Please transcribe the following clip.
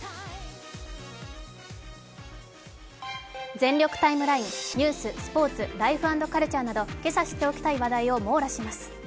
「全力ＴＩＭＥライン」ニュース、スポーツ、ライフ＆カルチャーなどけさ知っておきたい話題を網羅します。